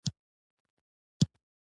په مني کې کله چې یخ ډیر نری وي